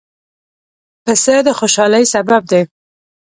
پسه د خوشحالۍ سبب دی.